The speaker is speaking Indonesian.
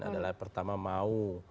adalah pertama mau